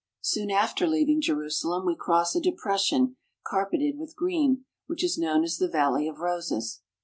Soon after leaving Jerusalem we cross a depression carpeted with green, which is known as the Valley of Roses.